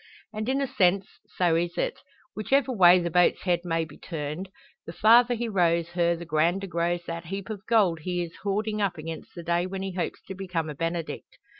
And in a sense so is it, whichever way the boat's head may be turned; the farther he rows her the grander grows that heap of gold he is hoarding up against the day when he hopes to become a Benedict.